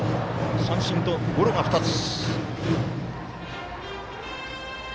三振とゴロが２つ。